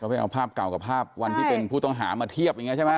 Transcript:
ไปเอาภาพเก่ากับภาพวันที่เป็นผู้ต้องหามาเทียบอย่างนี้ใช่ไหม